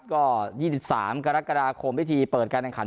ก็๒๓กรกฎาคมพิธีเปิดการแข่งขัน